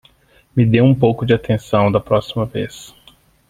Me dê um pouco de atenção da próxima vez!